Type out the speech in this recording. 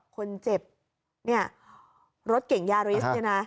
คนเจ็บเนี่ยรถเก่งยาริสเนี่ยนะ